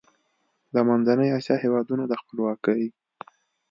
د منځنۍ اسیا هېوادونو د خپلواکۍ